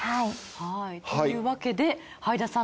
はいというわけではいださん